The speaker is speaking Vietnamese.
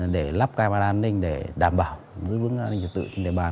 để lắp camera an ninh để đảm bảo giữ vững an ninh trật tự trên địa bàn